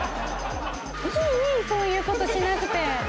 いい、いい、そういうことしなくて。